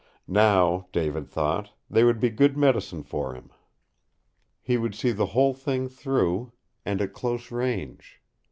Now, David thought, they would be good medicine for him. He would see the whole thing through, and at close range.